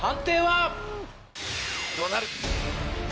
・どうなる？